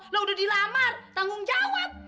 loh udah dilamar tanggung jawab